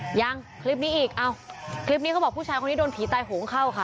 ยังคลิปนี้อีกอ้าวคลิปนี้เขาบอกผู้ชายคนนี้โดนผีตายโหงเข้าค่ะ